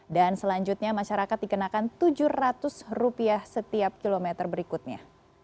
dan selanjutnya masyarakat dikenakan rp tujuh ratus setiap kilometer berikutnya